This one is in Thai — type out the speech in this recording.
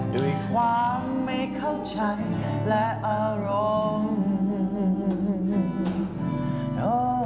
ด้วยความไม่เข้าใจและอารมณ์